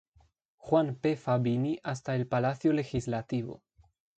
Juan P. Fabini hasta el Palacio Legislativo.